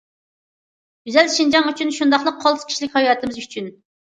گۈزەل شىنجاڭ ئۈچۈن، شۇنداقلا قالتىس كىشىلىك ھاياتىمىز ئۈچۈن!